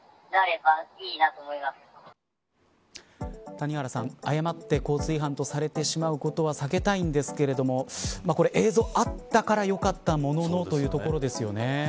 谷原さん、誤って交通違反とされてしまうことは避けたいんですがでも、映像があったからよかったもののというところですよね。